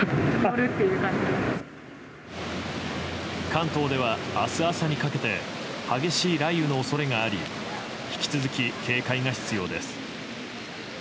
関東では明日朝にかけて激しい雷雨の恐れがあり引き続き、警戒が必要です。